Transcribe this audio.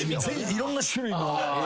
いろんな種類の。